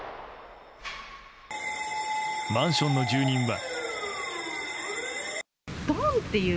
マンションの住人は。